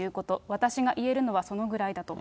私が言えるのはそのぐらいだと。